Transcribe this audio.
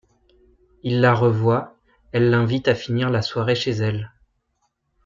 Il la revoit, elle l'invite à finir la soirée chez elle.